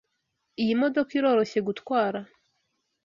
Iyi modoka iroroshye gutwara.